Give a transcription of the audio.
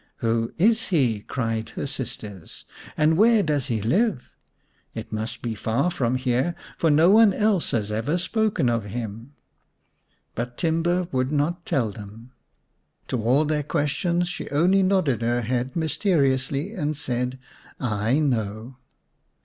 " Who is he ?" cried her sisters, " and where does he live ? It must be far from here, for no one else has ever spoken of him." But Timba would not tell them. To all their 83 The Serpent's Bride vm questions she only nodded her head mysteriously, and said, " I know."